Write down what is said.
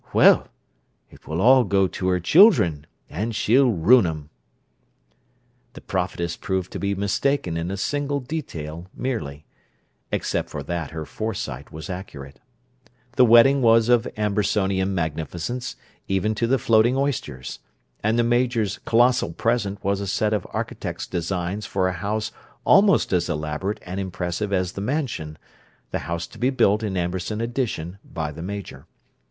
"Well, it will all go to her children, and she'll ruin 'em!" The prophetess proved to be mistaken in a single detail merely: except for that, her foresight was accurate. The wedding was of Ambersonian magnificence, even to the floating oysters; and the Major's colossal present was a set of architect's designs for a house almost as elaborate and impressive as the Mansion, the house to be built in Amberson Addition by the Major.